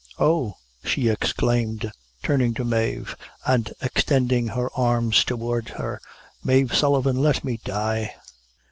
Oh!" she exclaimed, turning to Mave, and extending her arms towards her, "Mave Sullivan, let me die!"